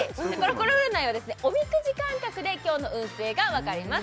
コロコロ占いはおみくじ感覚で今日の運勢がわかります